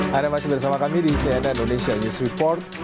hai masih bersama kami di cnn indonesia news report